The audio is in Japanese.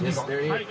はい。